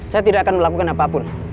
saya tidak akan melakukan apa pun